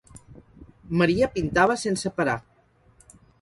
Maria pintava sense parar.